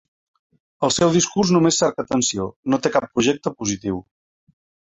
El seu discurs només cerca tensió, no té cap projecte positiu.